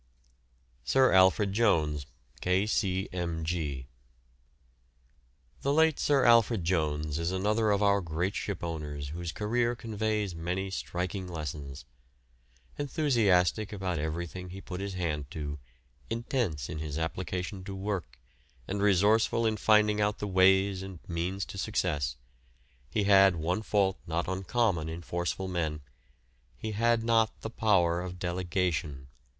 SIR ALFRED JONES, K.C.M.G. The late Sir Alfred Jones is another of our great shipowners whose career conveys many striking lessons. Enthusiastic about everything he put his hand to, intense in his application to work, and resourceful in finding out the ways and means to success, he had one fault not uncommon in forceful men he had not the power of delegation.